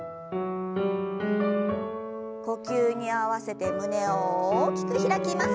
呼吸に合わせて胸を大きく開きます。